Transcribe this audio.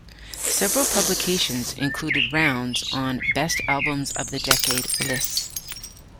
Several publications included "Rounds" on "best albums of the decade" lists.